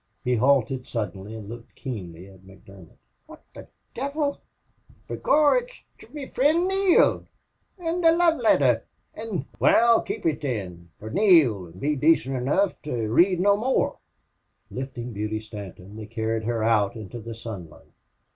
He halted suddenly and looked keenly at McDermott. "Wot the divil!... B'gorra, ut's to me fri'nd Neale an' a love letter an' " "Wal, kape it, thin, fer Neale an' be dacent enough to rade no more." Lifting Beauty Stanton, they carried her out into the sunlight.